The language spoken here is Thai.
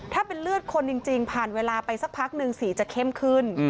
ถ้าเป็นเลือดคนจริงผ่านเวลาไปสักพักหนึ่งสีจะเข้มขึ้น